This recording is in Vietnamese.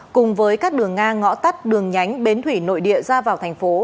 cùng với các đường ngang ngõ tắt đường nhánh bến thủy nội địa ra vào thành phố